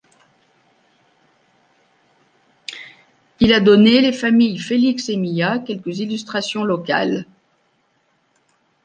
Il a donné les familles Félix et Millat quelques illustrations locales.